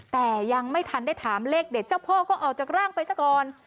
แต่ยังไม่ทันได้ถามเลขเด็ดเจ้าพ่อก็ออกจากร่างไปซะก่อน